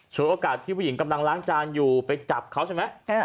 โอกาสที่ผู้หญิงกำลังล้างจานอยู่ไปจับเขาใช่ไหม